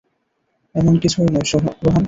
এমন কিছুই নয়, রোহান।